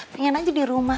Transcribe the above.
pengen aja di rumah